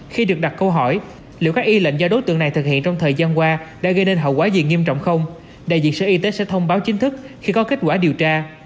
khi được đặt câu hỏi liệu các y lệnh do đối tượng này thực hiện trong thời gian qua đã gây nên hậu quả gì nghiêm trọng không đại diện sở y tế sẽ thông báo chính thức khi có kết quả điều tra